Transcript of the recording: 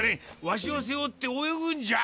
わしをせおって泳ぐんじゃ！